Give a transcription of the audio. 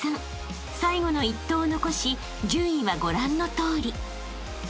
［最後の一投を残し順位はご覧のとおり］